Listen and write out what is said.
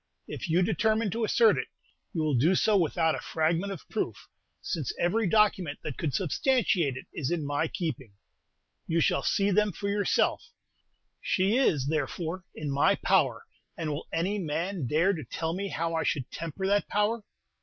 If you determine to assert it, you will do so without a fragment of proof, since every document that could substantiate it is in my keeping. You shall see them for yourself. She is, therefore, in my power; and will any man dare to tell me how I should temper that power?"